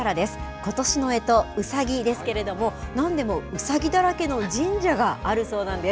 ことしのえと、うさぎですけれども、なんでもうさぎだらけの神社があるそうなんです。